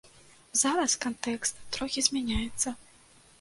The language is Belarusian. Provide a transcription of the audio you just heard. Зараз кантэкст трохі змяняецца.